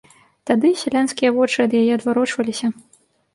Тады сялянскія вочы ад яе адварочваліся.